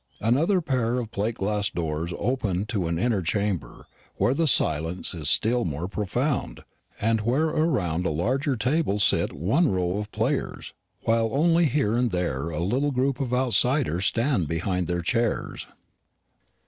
Another pair of plate glass doors open into an inner chamber, where the silence is still more profound, and where around a larger table sit one row of players; while only here and there a little group of outsiders stand behind their chairs.